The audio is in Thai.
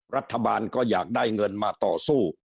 รัฐบาลก็อยากได้เงินมาต่อสู้